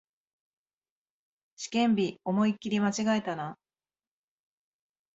試験日、思いっきり間違えたな